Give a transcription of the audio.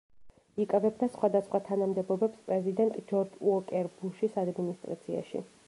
იკავებდა სხვადასხვა თანამდებობებს პრეზიდენტ ჯორჯ უოკერ ბუშის ადმინისტრაციაში.